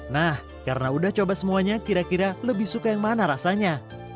nah karena udah coba semuanya kira kira lebih suka yang mana rasanya